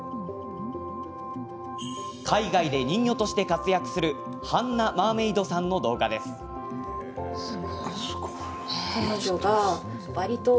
海外で人魚として活躍するハンナ・マーメードさんの動画です。